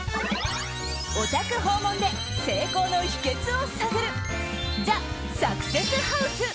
お宅訪問で成功の秘訣を探るＴＨＥサクセスハウス！